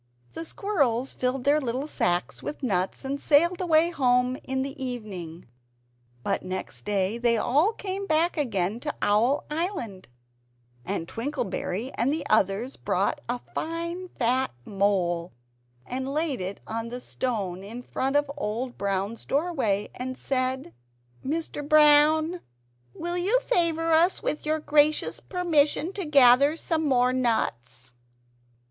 The squirrels filled their little sacks with nuts, and sailed away home in the evening. But next morning they all came back again to Owl Island; and Twinkleberry and the others brought a fine fat mole, and laid it on the stone in front of Old Brown's doorway, and said "Mr. Brown, will you favour us with your gracious permission to gather some more nuts?"